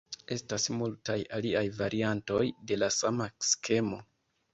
Estas multaj aliaj variantoj de la sama skemo.